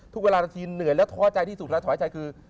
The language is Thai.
ทุกเวลานาทีเหนื่อยและท้อใจที่สุดแล้วท้อใจคือ